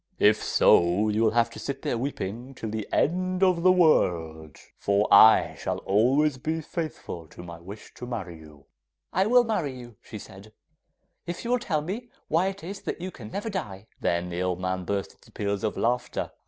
If so you will have to sit there weeping till the end of the world, for I shall always be faithful to my wish to marry you!' 'Well, I will marry you,' she said, 'if you will tell me why it is that you can never die.' Then the old man burst into peals of laughter.